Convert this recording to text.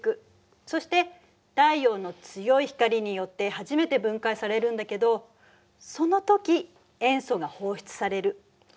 そして太陽の強い光によって初めて分解されるんだけどその時塩素が放出される。